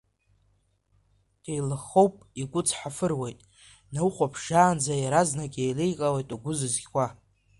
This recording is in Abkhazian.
Деилыххоуп, игәы цҳафыруеит, днаухәаԥшаанӡа иаразнак иеиликаауеит угәы зызхьуа…